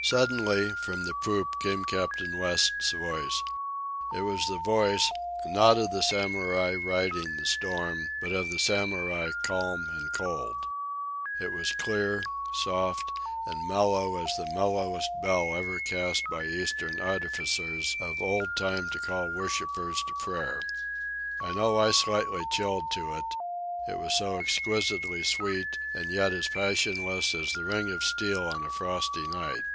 Suddenly, from the poop, came Captain West's voice. It was the voice, not of the Samurai riding the storm, but of the Samurai calm and cold. It was clear, soft, and mellow as the mellowest bell ever cast by eastern artificers of old time to call worshippers to prayer. I know I slightly chilled to it—it was so exquisitely sweet and yet as passionless as the ring of steel on a frosty night.